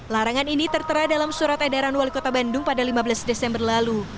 larangan ini tertera dalam surat edaran wali kota bandung pada lima belas desember lalu